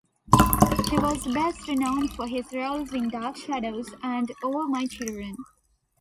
He was best known for his roles in "Dark Shadows" and "All My Children".